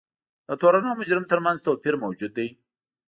د تورن او مجرم ترمنځ توپیر موجود دی.